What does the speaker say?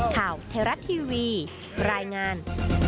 ข่าวเทราะต์ทีวีรายงาน